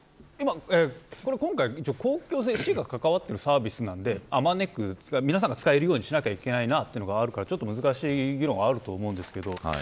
今回、市が関わっているサービスなんで、あまねく皆さんが使えるようにしなきゃいけないというのはありますから難しい議論があると思います。